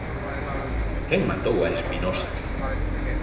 Quen matou a Espinosa?